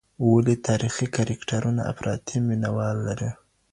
ولې تاریخي کرکټرونه افراطي مینه وال لري؟